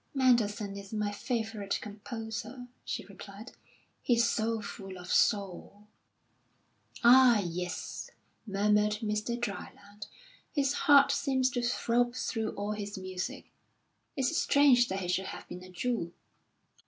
"Mendelssohn is my favourite composer," she replied. "He's so full of soul." "Ah, yes," murmured Mr. Dryland. "His heart seems to throb through all his music. It's strange that he should have been a Jew."